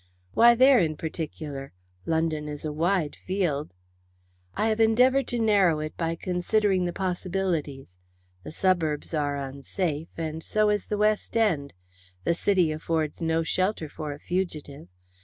"Why there in particular? London is a wide field." "I have endeavoured to narrow it by considering the possibilities. The suburbs are unsafe, and so is the West End; the City affords no shelter for a fugitive.